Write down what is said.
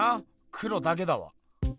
黒だけだわ。